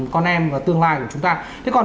con em và tương lai của chúng ta thế còn